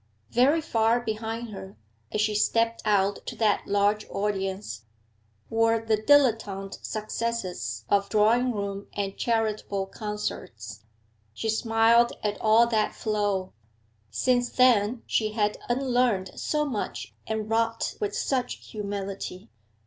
Very far behind her, as she stepped out to that large audience, were the dilettante successes of drawing room and charitable concerts; she smiled at all that flow; since then she had unlearnt so much and wrought with such humility.